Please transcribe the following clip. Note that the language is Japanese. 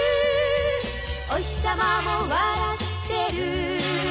「おひさまも笑ってる」